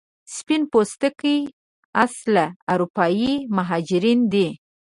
سپین پوستکي اصلا اروپایي مهاجرین دي.